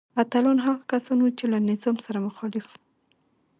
اتلان هغه کسان وو چې له نظام سره مخالف وو.